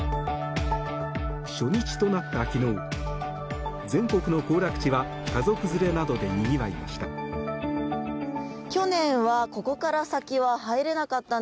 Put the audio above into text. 初日となった昨日全国の行楽地は家族連れなどでにぎわいました。